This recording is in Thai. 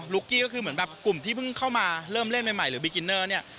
กี้ก็คือเหมือนแบบกลุ่มที่เพิ่งเข้ามาเริ่มเล่นใหม่หรือบีกินเนอร์เนี่ย